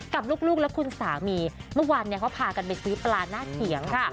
กับลูกและคุณสามีเมื่อวานเขาพากันไปซื้อปลาหน้าเขียงค่ะ